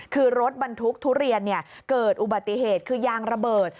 คือรถบรรทุกทุเรียนเกิดอุบัติเหตุคือยางระเบิด